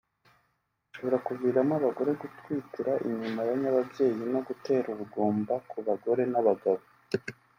bishobora kuviramo abagore gutwitira inyuma ya nyababyeyi no gutera ubugumba ku bagore n’abagabo